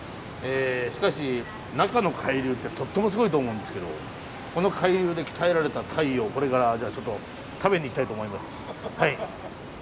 しかし中の海流ってとってもすごいと思うんですけどこの海流で鍛えられたタイをこれから食べに行きたいと思います。